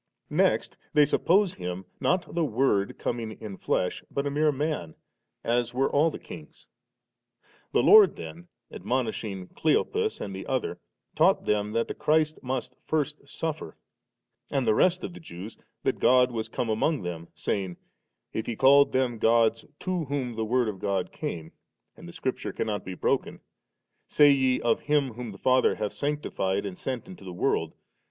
• Next they suppose Him, not the Word coming in flesh, but a mere man, as were all the kings. The Lord then, admonishing Cle opas and the other, taught them that the Chri^ must first suffer; and the rest of the Jews that God was come among them, saying, ' If He called them gods to whom the word of God came, and the Scripture cannot be broken, say ye of Him whom the Father hath sanctified and sent into the world.